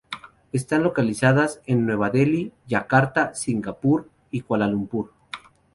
Están localizadas en Nueva Delhi, Yakarta, Singapur y Kuala Lumpur.